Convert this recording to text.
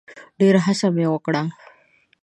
ډېره هڅه مي وکړه .